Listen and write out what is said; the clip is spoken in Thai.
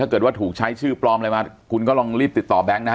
เกิดว่าถูกใช้ชื่อปลอมอะไรมาคุณก็ลองรีบติดต่อแบงค์นะฮะ